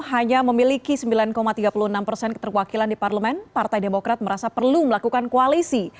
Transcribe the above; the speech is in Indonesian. hanya memiliki sembilan tiga puluh enam persen keterwakilan di parlemen partai demokrat merasa perlu melakukan koalisi